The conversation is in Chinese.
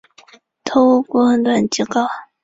头颅骨很短及高。